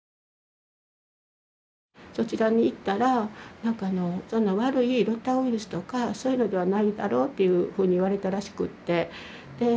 そちらに行ったら何か「悪いロタウイルスとかそういうのではないだろう」っていうふうに言われたらしくて。